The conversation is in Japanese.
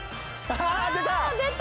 出た！